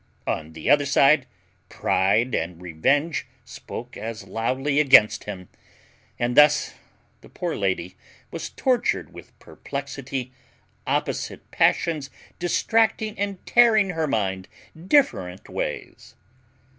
On the other side, Pride and Revenge spoke as loudly against him. And thus the poor lady was tortured with perplexity, opposite passions distracting and tearing her mind different ways.